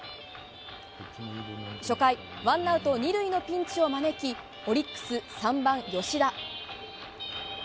初回、ワンアウト２塁のピンチを招きオリックス３番、吉田。